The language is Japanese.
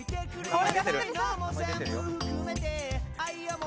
これ。